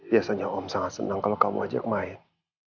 biasanya om sangat senang kalau kamu ajak main